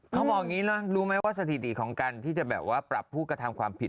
เขาบอกอย่างนี้นะรู้ไหมว่าสถิติของการที่จะแบบว่าปรับผู้กระทำความผิด